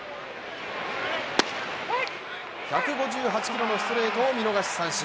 １５８キロのストレートを見逃し三振。